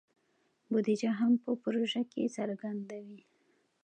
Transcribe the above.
بودیجه هم په پروژه کې څرګنده وي.